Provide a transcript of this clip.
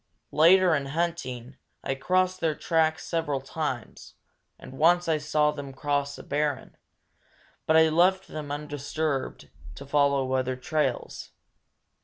Later, in hunting, I crossed their tracks several times, and once I saw them across a barren; but I left them undisturbed, to follow other trails.